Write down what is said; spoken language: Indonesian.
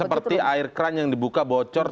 seperti air kran yang dibuka bocor